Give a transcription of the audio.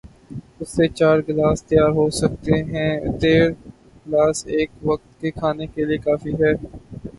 اس سے چار گلاس تیار ہوسکتے ہیں، ڈیڑھ گلاس ایک وقت کے کھانے کے لئے کافی ہیں۔